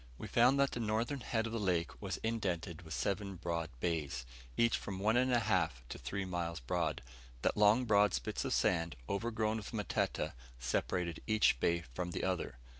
We found that the northern head of the lake was indented with seven broad bays, each from one and a half to three miles broad; that long broad spits of sand, overgrown with matete, separated each bay from the other.